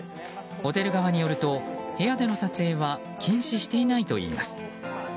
ホテル側によると部屋での撮影は禁止していないといいます。